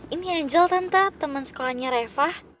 ini angel tante teman sekolahnya reva